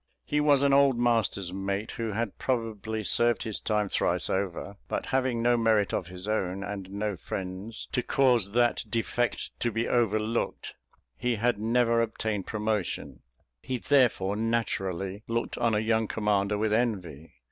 He was an old master's mate, who had probably served his time thrice over; but having no merit of his own, and no friends to cause that defect to be overlooked, he had never obtained promotion: he therefore naturally looked on a young commander with envy.